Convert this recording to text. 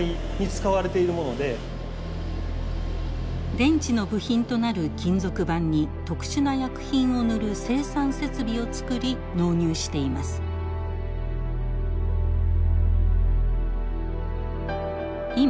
電池の部品となる金属板に特殊な薬品を塗る生産設備をつくり納入しています。